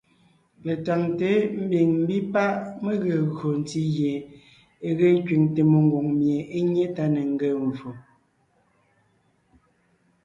Letáŋte ḿbiŋ ḿbí páʼ mé gee gÿo ntí gie e ge kẅiŋte mengwòŋ mie é nyé tá ne ńgee mvfò.